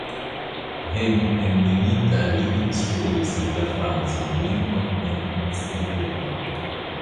Hejmenveninta li instruis en la francan lingvon en instituto.